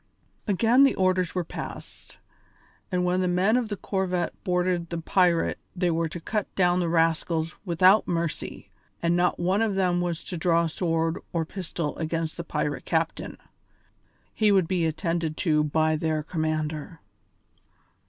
Again the orders were passed, that when the men of the corvette boarded the pirate they were to cut down the rascals without mercy, and not one of them was to draw sword or pistol against the pirate captain. He would be attended to by their commander.